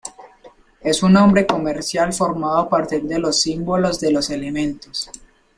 Es un nombre comercial formado a partir de los símbolos de los elementos.